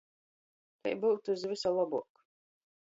Kai byutu iz vysa lobuok?